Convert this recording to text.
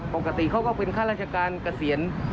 ปกติเขาก็เป็นข้าราชการเกษียณ